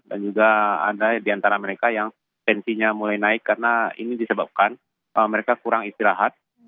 dan juga ada di antara mereka yang tensinya mulai naik karena ini disebabkan mereka kurang istirahat